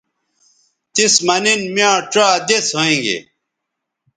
تس مہ نن میاں ڇا دس ھوینگے